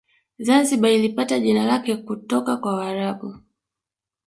Zanzibar ilipata jina lake kutoka kwa waarabu